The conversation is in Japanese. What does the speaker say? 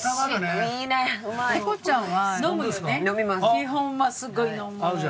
基本はすごい飲むのよ。